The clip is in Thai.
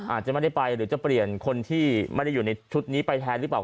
อาจจะไม่ได้ไปหรือจะเปลี่ยนคนที่ไม่ได้อยู่ในชุดนี้ไปแทนหรือเปล่า